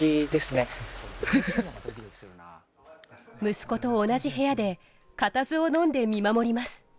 息子と同じ部屋で固唾をのんで見守ります。